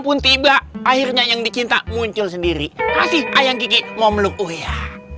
pun tiba akhirnya yang dicinta muncul sendiri kasih ayam gigi ngomong ya